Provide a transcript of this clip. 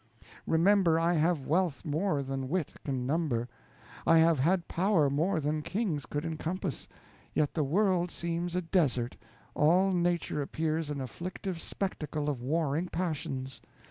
Remember, I have wealth more than wit can number; I have had power more than kings could emcompass; yet the world seems a desert; all nature appears an afflictive spectacle of warring passions.